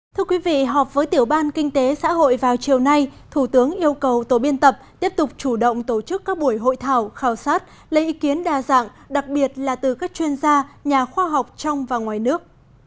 thưa quý vị họp với tiểu ban kinh tế xã hội vào chiều nay thủ tướng yêu cầu tổ biên tập tiếp tục chủ động tổ chức các buổi hội thảo khảo sát lấy ý kiến đa dạng đặc biệt là từ các chuyên gia nhà khoa học trong và ngoài nước